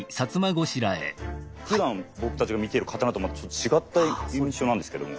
ふだん僕たちが見てる刀とまたちょっと違った印象なんですけども。